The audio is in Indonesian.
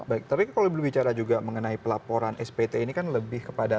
baik tapi kalau berbicara juga mengenai pelaporan spt ini kan lebih kepada